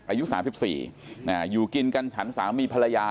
อายุสามที่สี่อยู่กินกันทันสามีภรรยานั่นแหละ